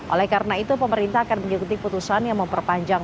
oleh karena itu pemerintah akan mengikuti putusan yang memperpanjang